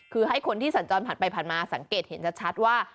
คือให้คนที่สัญจรผ่านไปผ่านมาสังเกตเห็นชัดว่า